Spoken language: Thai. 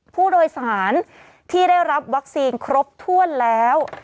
ผู้โดยสารที่ได้รับวัคซีนครบถ้วนแล้ว